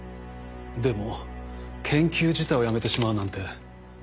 でも研究自体をやめてしまうなんて。